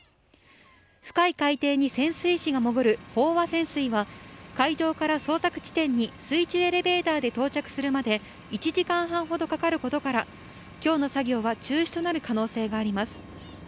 深い海底に潜水士が潜る飽和潜水は海上から捜索地点に水中エレベーターで到着するまで１時間半ほどかかることから今日の作業は中止となる可能性があります。